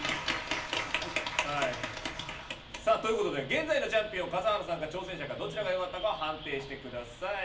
現在のチャンピオン笠原さんか挑戦者かどちらが良かったか判定してください。